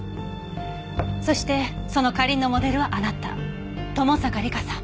そしてその花凛のモデルはあなた友坂梨香さん。